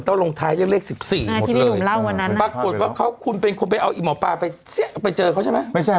ลงท้ายด้วยเลข๑๔ที่พี่หนุ่มเล่าวันนั้นปรากฏว่าเขาคุณเป็นคนไปเอาอีหมอปลาไปเจอเขาใช่ไหม